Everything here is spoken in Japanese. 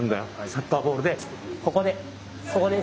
サッカーボールでここでここで。